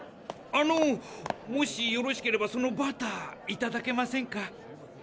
あのもしよろしければそのバターいただけませんか？